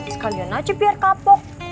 sekalian aja biar kapok